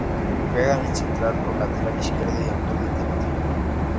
Juega de central o lateral izquierdo y actualmente no tiene club.